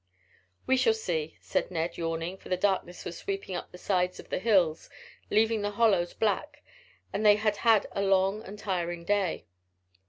"We shall see," said Ned, yawning, for the darkness was sweeping up the sides of the hills, leaving the hollows black, and they had had a long and tiring day.